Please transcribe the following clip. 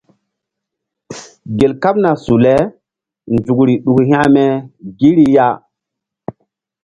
Gel kaɓna su le nzukri ɗuk hȩkme gi ri ya.